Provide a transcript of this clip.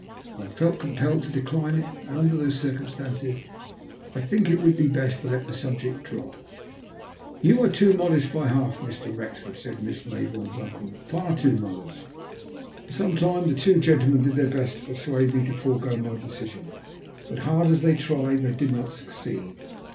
I have felt compelled to decline it, and under those circumstances I think it would be best to let the subject drop. "You are too modest by half, Mr. Wrexford," said Miss Maybourne's uncle. " Far too modest." For some time the two gentlemen did their best to persuade me to forego my decision, but, hard as they tried, they did not succeed.